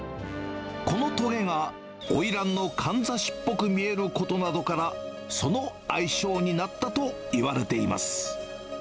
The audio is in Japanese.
このとげがおいらんのかんざしっぽく見えることなどから、その愛称になったといわれています。